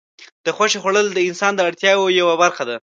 د غوښې خوړل د انسان د اړتیاوو یوه برخه ده.